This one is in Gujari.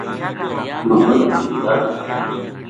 محمد حنیف ڈر گیو